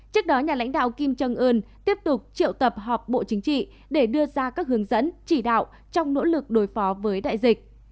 trước đó nhà lãnh đạo kim trân ưn tiếp tục triệu tập họp bộ chính trị để đưa ra các hướng dẫn chỉ đạo trong nỗ lực đối phó với đại dịch